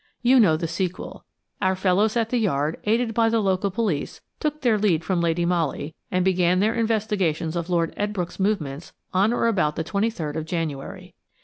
You know the sequel. Our fellows at the Yard, aided by the local police, took their lead from Lady Molly, and began their investigations of Lord Edbrooke's movements on or about the 23rd of January.